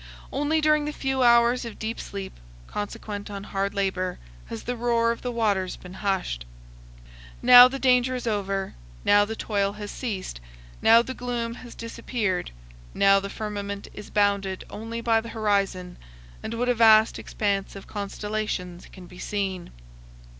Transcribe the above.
Only during the few hours of deep sleep, consequent on hard labor, has the roar of the waters been hushed. Now the danger is over, now the toil has ceased, now the gloom has disappeared, now the firmament is bounded only by the horizon, and what a vast expanse of constellations can be seen!